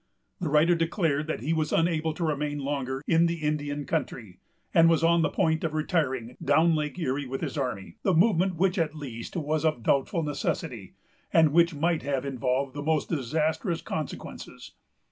The writer declared that he was unable to remain longer in the Indian country, and was on the point of retiring down Lake Erie with his army; a movement which, at the least, was of doubtful necessity, and which might have involved the most disastrous consequences.